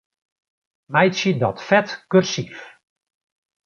Meitsje dat fet kursyf.